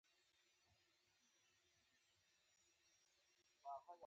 دوی به له لاندې څخه د پورته کیدو لپاره رسۍ کارولې.